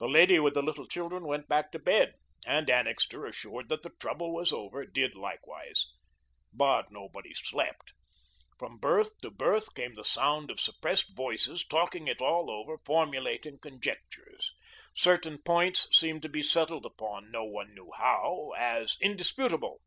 The lady with the little children went back to bed, and Annixter, assured that the trouble was over, did likewise. But nobody slept. From berth to berth came the sound of suppressed voices talking it all over, formulating conjectures. Certain points seemed to be settled upon, no one knew how, as indisputable.